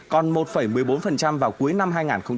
còn một một mươi bốn vào cuối năm hai nghìn một mươi chín